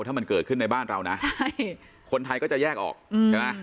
ถ้ามันเกิดขึ้นในบ้านเรานะใช่คนไทยก็จะแยกออกใช่ไหม